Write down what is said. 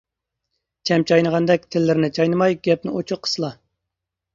-چەم چاينىغاندەك، تىللىرىنى چاينىماي گەپنى ئوچۇق قىسىلا!